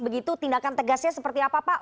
begitu tindakan tegasnya seperti apa pak